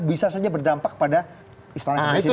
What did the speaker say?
bisa saja berdampak pada istana kepresidenan